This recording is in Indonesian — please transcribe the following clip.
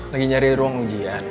lagi nyari ruang ujian